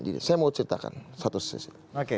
jadi saya mau ceritakan satu sisi